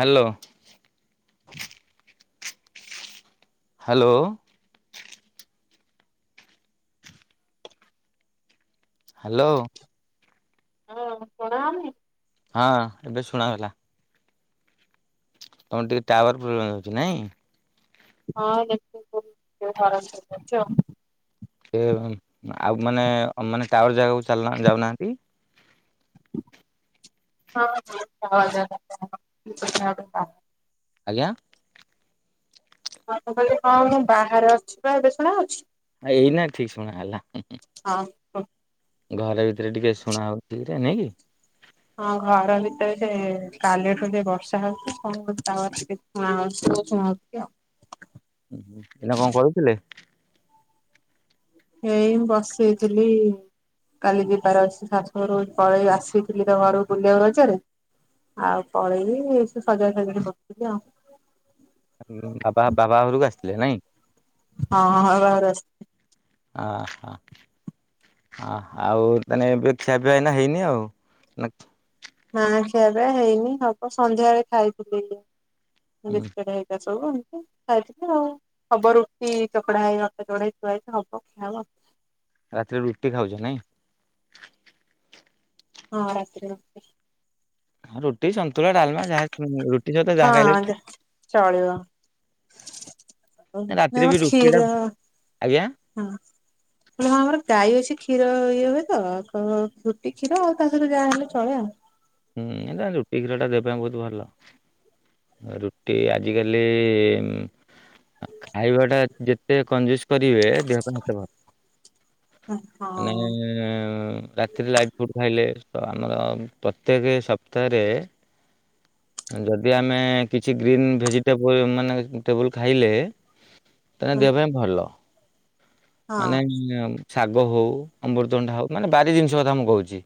ହା ଲୋ hello hello ହଁ କରଣମେ ହଁ ଏବେ ଶୁଣା ହେଲା ତମର ଟିକେ ଟାୱାର ପ୍ରୋବ୍ଲେ ଯଉଛି ନାଇଁ। ହଁ ଦେଖ ହର କରିଛ। ସେ ଆଉ ମାନେ ମାନେ ଟା ୱର ଜାଗାକୁ ଚାଲ ଯାଉନାହାନ୍ତି। ହ [unintelligible] ଆଜ୍ଞା। ହଁ କହିଲି ହଁ ମୁଁ ବାହାରେ ଅଛି, ବା ଏବେ ଶୁଣାଯାଉଚି? ଆ ଏଇ ନା ଠିକ ଶୁଣା ହେଲା। ହଁ। କୁହ। ଘରେ ଭିତରେ ଟିକେ ଶୁଣା ହଉଛି ନାଇ କି ହଁ ଘର ଭିତରେ ସେ କାଲିଠୁ ଯ ବର୍ଷା ହଉଚି [unintelligible] ଆଉ ଏନା କଣ କରୁଥିଲେ? ଏଇ ମୁ ବସେଇଥିଲି, କାଲି ଯିବାର ଅଛି ଶାଶୁଘରୁକୁପଳେଇ ଆସିଥିଲି ତ ଘରକୁ ବୁଲିବାକୁ ରଜରେ ଆଉ ପଳେଇବି ସଜ ସଜଡି କରିଥିଲି ଆଉ। ବାବା ବାବା ଘରକୁ ନାଇଁ। ହଁ ହଁ। [unintelligible] ଅହ ହ ଆଉ ତାନେ ଏବେ ଖିଆ ପିଆ ଏଇନା ହେଇନି ଆଉ। ନା ଖିଆ ପିଆ ହେଇନି ହବ ସନ୍ଧ୍ୟଳେ ଖାଇଥିଲି। ପଇ [unintelligible] ସବୁ ଆଉ ଖାଇଥିଲି ଆଉ ହବ ରୁଟି ଚକଡା ହେଇ ନଥିଲା ଚକଟା ହେଇ ଥୁଆ ହେଇଚି ହବ ଖିଆହେବ। ରାତିରେ ରୁଟି ଖାଉଛ ନାଇଁ? ହଁ ରାତି ରୁଟି। ଆଉ ରୁଟି ସ ତୋ ଡାଲମା ଯାହା ରୁଟି ସହିତ ଯାହା ଖାଇଲେ ହଁ ଯେ ଓ ରାତିରେ ଆମର ବି ରୁଟି ଟା କ୍ଷୀର ଆଜ୍ଞା ହଁ ହଁ ଆମର ଗାଈ ଅଛି। କ୍ଷୀର ଇଏ ହୁଏ ତ, ରୁଟି କ୍ଷୀର ଆଉ ତା ସହିତ ଯାହା ହେଲେ ଚଳେ ଆଉ। ହୁଁ ରୁଟି କ୍ଷୀର ଟା ଦେହ ପାଇଁ ବହୁତ ଭଲ, ରୁଟି ଆଜିକାଲି ଖାଇବା ଟା ଯେତେ କଞ୍ଜୁସ୍। କରିବେ ଦେହ ପାଇଁ ସେତେ ଭ ହଁ। ମାନେ ରାତିରେ ଲାଇଟ ଫୁଡ୍ ଖାଇଲେ [unintelligible] ପ୍ରତ୍ୟେକେ ସପ୍ତାହ ରେ ଯଦି ଆମେ କିଛି ଗ୍ରୀନ୍ ଭେଜିଟେବୁଲ୍ ମାନେ ଟେବୁଲ୍ ଖାଇଲେ [unintelligible] ହଁ ଦେହ ପାଇଁ ଭଲ। ହଁ ମାନେ [unintelligible] ଶାଗ ହଉ ଅମୃତଭଣ୍ଡା ହଉ ମାନେ ବାରି ଜିନିଷ କଥା ମୁଁ କହୁଛି।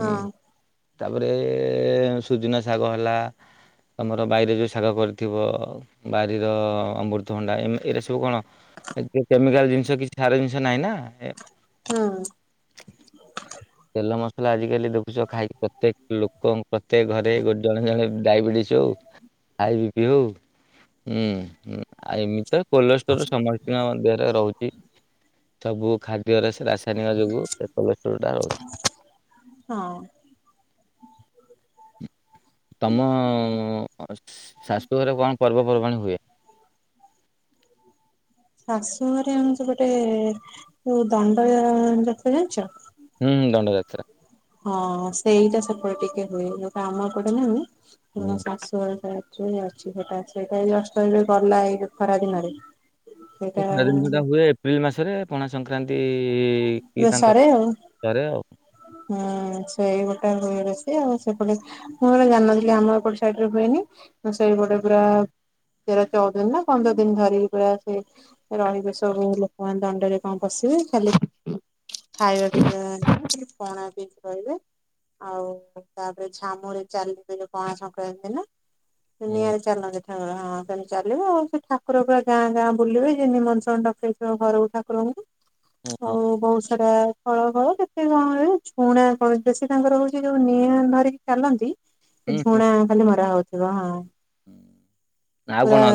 ହୁଁ। ତାପରେ ସୁଜୁନା ଶାଗ ହେଲା ତମର ବାଇରେ ଯୋଉ ଶାଗ କରିଥିବ ବାରିର ଅମୃତଭଣ୍ଡା ଏରା ସବୁ କଣ ଏ କେମିକାଲ୍ ଜିନିଷ କିଛି ସାର ଜିନିଷ୍ ନାହିଁ ନା। ହଁ ତେଲ ମସ ଆଜିକାଲି ଦଖୁସ ଖାଇକି ପ୍ରତ୍ୟେକ ଲୋକଙ୍କ ପ୍ରତ୍ୟେକ ଘରେ ଜଣେ ଜଣେ ଡାଇବେଟିସ୍ ହଉ ହାଇବିପି ହଉ ହୁଁ। ଆଉ ଏମିତି ତ କୋଲେଷ୍ଟୋର ସମସ୍ତଙ୍କ ଦେହରେ ରହୁଛି। ସବୁ ଖାଦ୍ୟରେ ରାସାୟନିକ ଯୋଗୁ [unintelligible] ହଁ। ତମ ଶାଶୁ ଘରେ କଣ ପର୍ବପର୍ବାଣି ହୁଏ। ଶାଶୁ ଘରେ [unintelligible] ଗୋଟେ ଯୋଉ ଦଣ୍ଡ ନାଚ ଜାଣିଛ। ହୁଁ ଦଣ୍ଡ ଯାତ୍ରା ହଁ ସେଇଟା ସେପଟେ ଟିକେ ହୁଏ ଯୋଉଟା ଆମ ପଟେ ନାହିଁ। ହଁ ମୋ ହୁଁ। ଶାଶୁ ଘରେ ସେମିତି ହୁଁ ଅଛି ସେଟା ଅଛି ସେଇଟା ଗଲା ଏ ଅଷ୍ଟମିରେ ଏବେ ଗଲା ଏଇ ଖରା ଦିନରେ ସେ ସେଇଟା ଖରାଦିନ ଯୋଉଟା ହୁଏ ଏପ୍ରିଲ୍ ମାସରେ ପଣା ସଂକ୍ରାନ୍ତି କି ତାଙ୍କ ବେସରେ ଆଉ ଘରେ ଆଉ ହୁଁ ସେଇ [unintelligible] ଆମ ଏପଟ ସାଇଡ଼ରେ ହୁଏନି ସେଇପଟେ ପୁରା ତେର ଚଉଦ ଦିନି ନା ପନ୍ଦର ଦିନ ଧରିିକି ପୁରା ସେ ରହିବେ ସବୁ ଲୋକମାନେ ଦଣ୍ଡରେ। ହଁ ପଶିବେ ଖାଲି ଖାଇବା ପିଇବା ପଣା ପିଇବେ ରହିବେ ଆଉ ତାପରେ ଝାମୁରେ ଚାଲିବେ ଯୋଉ ପଣା ସଂକ୍ରାନ୍ତି ଦିନ ନିଆଁ ହୁଁ ରେ ଚାଲନ୍ତି। ହଁ ହଁ ସେମତି ଚାଲିବ ଆଉ ସେ ଠାକୁର ପୁରା ଗାଁ ଗାଁ ବୁଲିବେ ଯିଏ ନିମନ୍ତ୍ରଣ ଡକେଇଥିବ ଘର କୁ [unintelligible] ହୁଁ ହୁଁ। ଆଉ ବହୁତ ସାର ଫଳ ଫଳ କେତେ କଣ ହୁଏ ଛୁଣା କଣ ବେଶୀ ତାଙ୍କର ହଉଛି ଯୋଉ ନିଆଁ ଧରିକି ଚାଲନ୍ତି। ହୁଁ ସେ ହୁଁ ଝୁଣା ଖାଲି ମରା ହଉଚି। [unintelligible] ଆଉ କଣ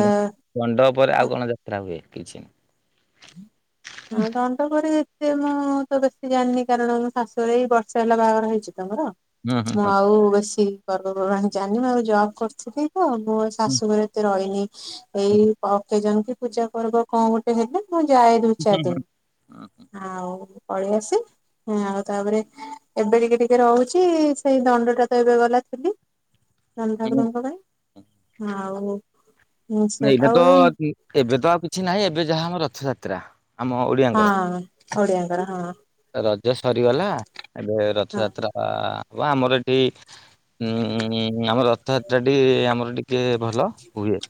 ଦଣ୍ଡ ପରେ ଆଉ କଣ ଯାତ୍ରା ହୁଏ। କିଛି [unintelligible] ହଁ ଦଣ୍ଡ ପରି ଏତେ ମୁଁ ତ ବେଶୀ ଜାଣିନି କାରଣ ମୋ ଶାଶୁଘରେ ଏଇ ବର୍ଷେ ହେଲା ବାହାଘର ହେଇଛି। ତମର ହୁଁ ହୁଁ ମୁଁ ହୁଁ। ଆଉ ବେଶୀ ପର୍ବପର୍ବାଣୀ ଜାନି ଭାଉଜ [unintelligible] ହଁ ମୁଁ ଶାଶୁଘରେ ଏତେ ରହିନି ଏଇ ଅକେଜନ ପୂଜା ପର୍ବ କଣ ଗୋଟେ ହେବେ ମୁଁ ଯାଏ। ହୁଁ ଛାଦ ହୁଁ ଆଉ ପଳେଇଆସୁ ଆଉ ତାପରେ ଏବେ ଟିକେ ଟିକେ ରହୁଛି ସେଇ ଦଣ୍ଡ ଟା ତ ଏବେ ଗଲା ଥିଲି। ରାମ ହୁଁ ହୁଁ। ଠାକୁରଙ୍କ ପାଇଁ ହଁ ଆଉ [inaudible] ସେ ଏଇଟା ଆଉ ତ ଏବେ ତ ଆଉ କିଛି ନାହିଁ ଏବେ ଯାହା ଆମର ରଥଯାତ୍ରା। ତ୍ରା ଆମ ଓଡିଆଙ୍କର ଖଡିଆଁଙ୍କର ହଁ ରଜ ସରିଗଲା ଏବେ ହଁ ରଥଯାତ୍ରା ଆ ହବ ଆମର ଏଠି ଉଁ ଆମ ରଥଯାତ୍ରାଟି ଆମର ଟିକେ ଭଲ ହୁଏ।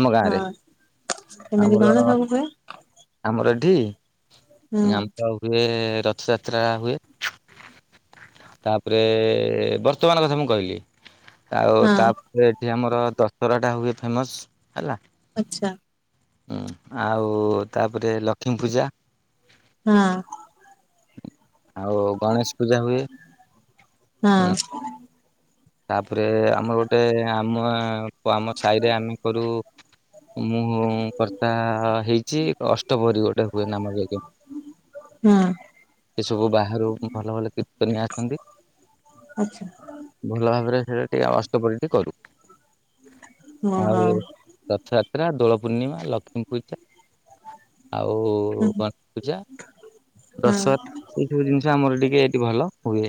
ଆମ ଗାଁରେ। କେମିତି କଣ ସବୁ ହୁଏ? ଆମର ଏଠି। ହୁଁ [unintelligible] ହୁଏ। ରଥଯାତ୍ରା ହୁଏ ତାପରେ ବର୍ତ୍ତମାନ କଥା ମୁଁ କହିଲି। ଆଉ ହଁ ତାପରେ ଏଠି ଆମର ଦଶହରା ଟା ହୁଏ। ଫେମସ୍ ହେଲା। ଆଚ୍ଛା ଉଁ ଆଉ ତାପରେ ଲକ୍ଷ୍ମୀ ପୂଜା। ହଁ। ଆଉ ଗଣେଶ ପୂଜା ହୁଏ। ହଁ ଉଁ ତାପରେ ଆମର ଗୋଟେ ଆମ ଓ ଆମ ସାହିରେ ଆମେ କରୁ ମୁଁ କର୍ତ୍ତା ହେଇଚି ଅଷ୍ଟପ୍ରହରୀ ଗୋଟେ ହୁଏ ନାମ ଯଜ୍ଞ। ହଁ। ଏ ସବୁ ବାହାରୁ ଭଲ ଭଲ କୀର୍ତ୍ତନୀଆ ଆସନ୍ତି। ଆଚ୍ଛା। ଭଲ ଭାବରେ ହେଟା ଟିକେ ଅଷ୍ଟପ୍ରହରୀ ଟି କରୁ। ହଁ ଆଉ ହଁ ରଥଯାତ୍ରା ଦୋଳ ପୂ ପୂର୍ଣ୍ଣିମା ଲକ୍ଷ୍ମୀ ପୂଜା ଆଉ ଗଣେଶ ପୂଜା ହଁ ଦଶହରା ଏଇ ସବୁ ଜିନିଷ ଆମର ଟିକେ ଭଲ ହୁଏ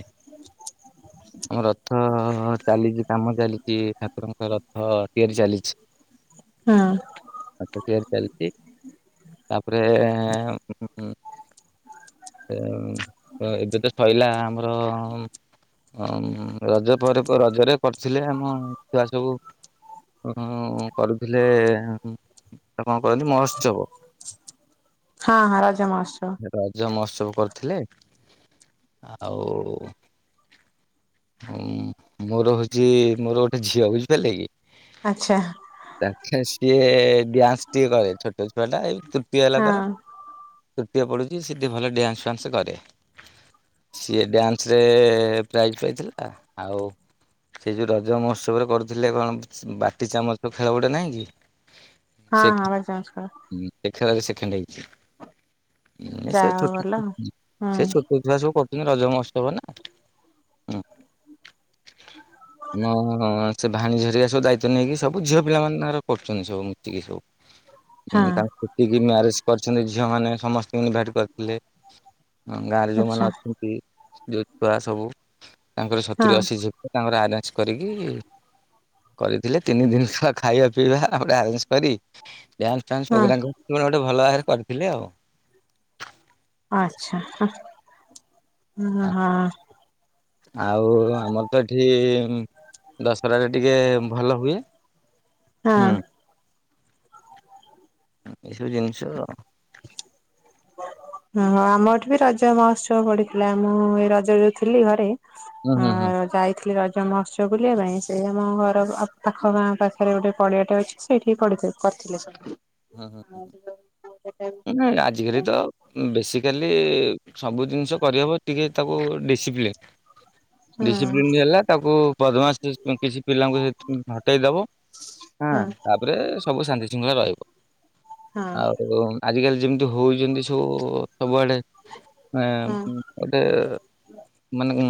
ଆମ ହଁ ହଁ ହଁ ଚାଲିଚି କାମ ଚାଲିଚି ଠାକୁରଙ୍କ ରଥ ତିଆରି ଚାଲିଛି। ହଁ। ରଥ ତିଆରି ଚାଲିଛି ତାପରେ। [unintelligible] ତ ଏବେ ତ ସଇଲା ଆମ। [unintelligible] ରଜ ପରେ ପରେ ରଜରେ କରିଥିଲେ ଆମ ଛୁଆ ସବୁ ଉଁ କରୁଥିଲେ କଣ କରନ୍ତି ମହୋତ୍ସବ ହଁ ହଁ ରଜ ମହୋତ୍ସବ ରଜ ମହୋତ୍ସବ। କରିଥିଲେ ଆଉ ହୁଁ ମୋର ହଉଛି ମୋର ଗୋଟେ ଝିଅ ବୁଝିପାରିଲେ କି? ଆଚ୍ଛା ରାକ୍ଷ୍ୟାସୀ। ସିଏ ଡ୍ୟାନ୍ସ ଟିକେ କରେ ଛୋଟ ଛୁଆ ଟା ଏହି ତୃତୀ ତୃତୀୟ ହେଲା ହଁ ତାର ତୃତୀୟ ପଡୁଛି ସେ ଟିକେ ଭଲ ଡ୍ୟାନ୍ସ ଫ୍ୟାନ୍ସ କରେ ସିଏ ଡ୍ୟାନ୍ସ ରେ ପ୍ରାଇଜ [unintelligible] ଆଉ ସେଇ ଯୋଉ ରଜ ମହୋତ୍ସବରେ କରୁଥିଲେ କଣ ବାଟି ଚାମଚ ଖେଳ ଗୋଟେ କଣ ନାହିଁ କି ହଁ ସେ ହଁ ବା ଚାମୁଚ ଖେଳ। ସେ ଖେଳରେ ସେକେଣ୍ଡ ହେଇ ଉ ସେ ଯାହା ହଉ ଛୋଟ ଭଲ ଛୁଆ ହୁଁ ସେ ଛୋଟ ଛୁଆ ସବୁ କରୁଛନ୍ତି। ରଜ ମହୋତ୍ସବ ନା ହଁ ହଁ। ସେ ଭାଣେଜୀ ହେରିକା ସବୁ ଦାୟିତ୍ୱ ନେଇକି ସବୁ ଝିଅ ପିଲାମାନେ ତାଙ୍କର କରୁଛନ୍ତି ସବୁ ମିଶିକି ସବୁ। ହଁ ତାଙ୍କ ଯେତିକି ମ୍ୟାରେଜ କରିଛନ୍ତି ଝିଅ ମାନେ ସମସ୍ତଙ୍କୁ ଇନ୍ଭାଇଟ କରିଥିଲେ। ହଁ ଗାଁରେ ଯୋଉମାନେ ଆଚ୍ଛା ଅଛନ୍ତି। ଯଉ ଛୁଆ ସବୁ ତାଙ୍କର ସତୁରି ହଁ ଅଶୀ ଝିଅ ପିଲା ତାଙ୍କର ଆ କରିକି କରିଥିଲେ ତିନି ଦିନ ତ ଖାଇବା ପିଇବା ଗୋଟେ ଆରେଞ୍ଜ କରି ଡାନ୍ସ ଫେନ୍ସ ହଁ ପ୍ରୋଗ୍ରାମ ପୁରା ଗୋଟେ ଭଲ ଭାବରେ କରିକି କରିଥିଲେ ଆଉ। ଆଛା। ଆଉ ଆମର ତ ଏଠି ଦଶହରାରେ ଟିକେ ଭଲ ହୁଏ। ହଁ। ହୁଁ ଏସବୁ ଜିନିଷ ହଁ ଆମ ଏଠି ବି ରଜ ମହୋତ୍ସବ ପଡିଥିଲା ମୁଁ ଏଇ ରଜ ଯୋଉଥିଲି ଘରେ ଆ ହୁଁ ହୁଁ ରଜ ଆଇଥିଲି ରଜ ଜ ମହୋତ୍ସବ ବୁଲିବା ପାଇଁ ସେ ଆମ ଘର ପାଖ ଗାଁ ପାଖରେ ଗୋଟେ ପଡିଆଟେ ଅଛି ସେଇଠି ପଡ଼ିଥିଲେ କରିଥିଲେ ସେଇଟା। ହଁ ହଁ ନାଇଁ ଆଜିକାଲି ତ ବେସିକାଲି ସବୁ ଜିନିଷ କରିହେବ ଟିକେ ତାକୁ ଡିସିପ୍ଲିନ ହୁଁ ଡିସିପ୍ଲିନ ହେଲା ତାକୁ ପଦ୍ମାସ ପିଶି ପିଲାଙ୍କୁ ସେ ହଟେଇ ଦବଁ ହଁ ତାପରେ ସବୁ ଶାନ୍ତି ଶୃଙ୍ଖଳା ରହିବ। ହଁ ଆଉ ଆଜିକାଲି ଯେମିତି ହଉଚନ୍ତି ସୁ ସବୁଆଡେ ଏ ହଁ ଗୋଟେ ମାନେ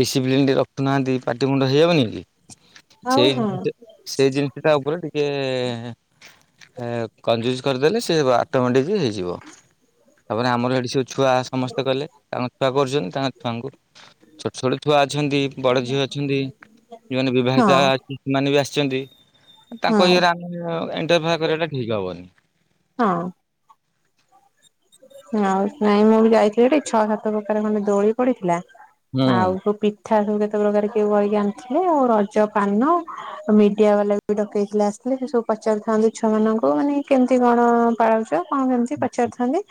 ଡି ପ୍ଲିନ ଟିକେ ରଖୁହାନ୍ତି ପାଟି ମୁୁଣ୍ଡ ହେଇଯାଉନି? ଆଉ ସେଇ ହଁ ଜିନ ସେଇ ଜିନିଷ ଟା ଉପରେ ଟିକେ ଏ କଞ୍ଜୁସ୍ କରିଦେଲେ ସେ ଆଟମେଟିକ ହେଇଯିବ ତାପରେ ଆମର ଏଠି ସବୁ ଛୁଆ ସମସ୍ତେ କଲେ ତାଙ୍କ ଛୁଆ କରୁଛନ୍ତି। ତାଙ୍କ ଛୁଆଙ୍କୁ ଛୋଟ ଛୋଟ ଛୁଆ ଅଛନ୍ତି ବଡ ଝିଅ ଅଛନ୍ତି ଯୋଉମାନେ ବିବାହିତା ହଁ ସେମାନେ ବି ଆସି ଅଛନ୍ତି। ତାଙ୍କ ଇଏ ହଁ ଆମେ ଇଣ୍ଟେଫ କରିବାଟା ଠିକ ହବନି। ହଁ ଆଉ ମାଇଁ ମାମୁଁ ଯାଇଥିଲିଟି ଛଅ ସାତ ପ୍ରକାର ଖଣ୍ଡେ ଦୋଳି ପଡିଥିଲା। ଆଉ ହୁଁ ସବୁ ପି [unintelligible] [inaudible] ସବୁ କେତେ ପ୍ରକାର କିଏ କରିକି ଆଣିଥିଲେ ଆଉ ରଜ ପାନ ମିଡିଆ ବାଲା ବି ଡକେଇଥିଲେ ଆସିଥିଲେ ସେ ସବୁ ପଚାରୁିଥାନ୍ତି ଛୁଆମାନଙ୍କୁ ମାନେ କେମିତି କଣ ପାଳ କେମିତି ପଚାରାରୁିଥାନ୍ତି।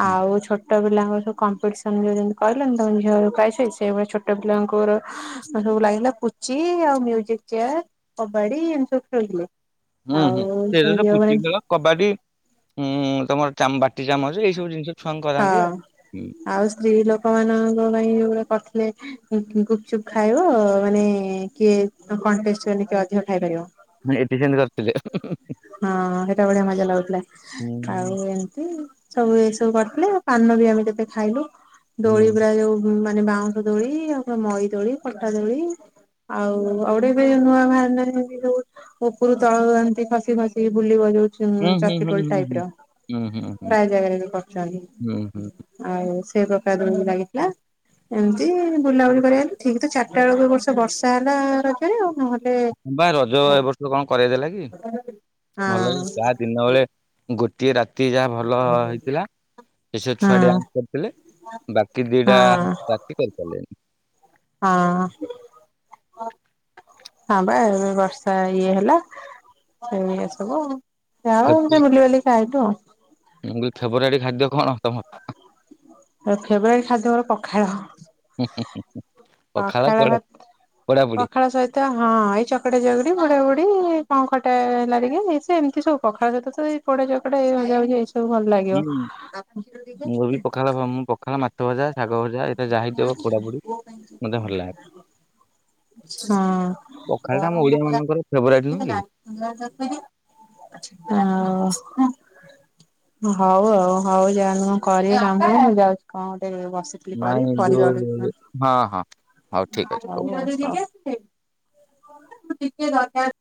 ଆଉ ଛୋଟ ଛୋଟ ପିଲାଙ୍କ ସବୁ କମ୍ପିଟିସନ [unintelligible] କହିଲି ତ ଝିଅ ପିଲା ଛୋଟ ପିଲାଙ୍କର ସବୁ ଲାଗିଲା ପୁଚି ଆଉ ମ୍ୟୁଜିକ ଚେୟାର କବାଡ଼ି ଏମିତି ସବୁ ଖେଳିଲେ। ହୁଁ ହୁଁ ସେଇତ ସେ ପୁଚି ଖେଳ କବାଡି ଉଁ ଉଁ। ତମର ଚା ବାଟି ଚାମଚ ଏଇ ସବୁ ଜିନିଷ। ଛୁଆଙ୍କୁ କରାନ୍ତି ଆଉ। ହଁ ଆଉ ସ୍ତ୍ରୀ ଲୋକ ଲୋକମାନଙ୍କ ପାଇଁ କରିଥିଲେ ଗୁପ ଚୁପ୍ ଖାଇବ ମାନେ କିଏ କଣ୍ଟେଷ୍ଟ କିଏ ଅଧିକ ଖାଇପାରିବ। ଆଠିସେମିତି କରିଥିଲେ। ହଁ ହଁ ସେଟା ବଢଆ ମଜା ଲାଗୁଥିଲା। ହୁଁ ଆଉ ଏମତି ସବୁ ଏଇ ସବୁ କରିଥିଲେ ଆଉ ପାନ ବି ଆମେ କେତେ ଖାଇଲୁ। ହୁଁ ଦୋଳି ପୁରା ଯୋଉ ମା ବାଉଁଶ ଦୋଳି ଆଉ ମଇ ଦୋଳି ପଟା ଦୋଳି ଆଉ ଆଉଟେ ଏବେ ନୂଆ ନୂଆ ଯୋ [unintelligible] ଉପରୁ ତଳ ଖସନ୍ତି। ମାସିକି ବୁଲିବା ଯାଉ ହୁଁ ହୁଁ ହୁଁ ଚକ୍ରୀଦୋଳି ହୁଁ ଟାଇପ ହୁଁ। ର ହୁଁ ହୁଁ ହୁଁ ଡଙ୍ଗା ଦୋଳି ବି କରିଚନ୍ତି। ହୁଁ ହୁଁ ଆଉ ସେଇ ପଟାଦୋଳି ଲାଗିଥିଲା ଏମିତି ବୁଲାବୁଲି କରିବା ଠିକ ତ ଚାରିଟା ବେଳକୁ ବର୍ଷ ବର୍ଷା ହେଲା ରଜରେ ଆଉ। ହଁ ବା ରଜ ଏ ବର୍ଷ କଣ କରେଇ ଦେଲା କି? ଭଲ ହଁ ଯାହା ଦିନ ବେଳେ ଗୋଟିଏ ରାତି ରାତି ଯାହା ଭଲ ହେଇଥିଲା ସେ ହଁ ଛୁଆଡ୍ୟାନ୍ସ କରିଥିଲେ ବାକି ଦିଟା ହଁ ରାତି କରିପାରିଲେନି। ହଁ ହଁ ବା ଏ ବର୍ଷା ଇଏ ହେଲା ସେଇ ସବୁ ଆଉ । ଯାହା ଫେବୃଆରୀ ହେଉ ବୁଲିବାଲିକି ଆଇଲୁ। [unintelligible] ମୁଁ କହିଲି ଫେବରାଇଟ ଖାଦ୍ୟ କଣ ତମର? ଫେବରାଇଟ୍ ଖାଦ୍ୟ ମୋର ପଖାଳ। ହୁଁ, ପଖାଳ ଭାତ ପୋଡାପୋଡି ପଖାଳ ସହିତ ହଁ ଏଇ ଚକଟା ଚକଟି। ପୋଡାପୋଡି କଣ ଖଟା ହେଲା ଟିକେ ସେ ଏମିତି ସବୁ ପଖାଳ ସହିତ ତ ଏଇ ପୋଡା ଚକଡା ଭଜା ଭଜି ଏଇ ସବୁ ସବୁ ଭଲ ଲାଗିବ। ହ ମୁଁ ପଖାଳ ମାଛ ଭଜା। ଶାଗ ଭଜା ଏଇଟା ଯାହା ହେଇଥିବ ପୋଡାପୋଡି ମତେ ଭଲ ଲାଗେ ହଁ ପଖାଳଟା ଆମ ଓଡିଆ ମାନଙ୍କର ଫେବରାଇଟ ନୁହେଁ କି? ଆଉ। ହଉ ଆଉ ହଉ ଯାନ୍ତୁ କଣ କରିବେ [unintelligible] ମୁଁ ଯାଉଛି କଣ ଗୋଟେ ବ। ନାଇଁ ଯୋଉ ହଁ ହଁ ହଉ ଠିକ ଅଛି ହଉ। ଟିକେ ଦରକାର।